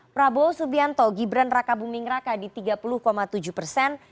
prabowo subianto gibran raka buming raka di tiga puluh tujuh persen